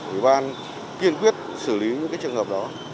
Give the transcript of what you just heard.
ủy ban kiên quyết xử lý những trường hợp đó